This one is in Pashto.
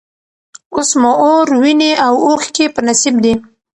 اوس مو اور، ویني او اوښکي په نصیب دي